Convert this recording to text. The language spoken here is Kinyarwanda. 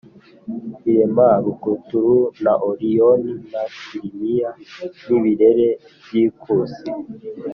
irema arukuturo na oriyoni na kilimiya, n’ibirere by’ikusi